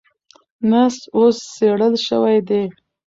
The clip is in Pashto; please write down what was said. نسج اوس څېړل شوی دی.